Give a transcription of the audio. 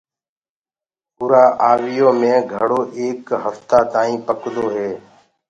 اُرآ آويٚ يو مي گھڙو ايڪ هڦتآ تآئينٚ پڪدو هي۔